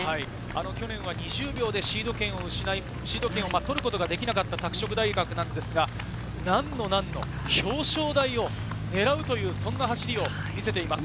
去年は２０秒でシード権を失い、取ることができなかった拓殖大学ですが、なんのなんの、表彰台をねらうというそんな走りを見せています。